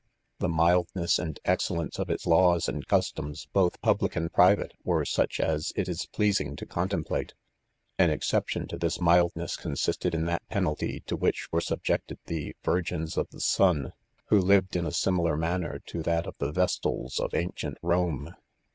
The mildness and excel lence of its laws and customs, both public and 'private, were such as it is pleasing to contemplate. An exception to this mildness consisted in that penalty to "which were subjected the " Tirgins of the Sun," who lived in a gimi Jarniannes to that of the Vestals of ancient Rome.